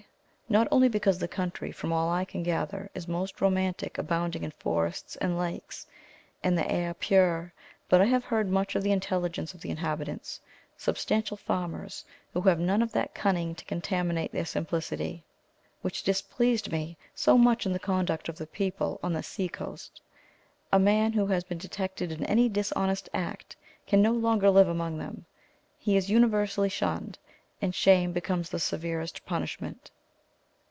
not only because the country, from all I can gather, is most romantic, abounding in forests and lakes, and the air pure, but I have heard much of the intelligence of the inhabitants, substantial farmers, who have none of that cunning to contaminate their simplicity, which displeased me so much in the conduct of the people on the sea coast. A man who has been detected in any dishonest act can no longer live among them. He is universally shunned, and shame becomes the severest punishment.